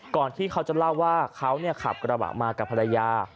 ก่อนที่เขาจะเล่าว่าเขาขับกระบะมากับภรรยา